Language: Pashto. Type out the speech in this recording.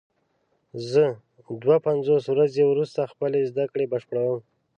زه دوه پنځوس ورځې وروسته خپلې زده کړې بشپړوم.